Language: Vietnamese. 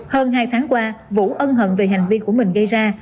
hơn hai tháng qua vũ ân hận về hành vi của mình gây ra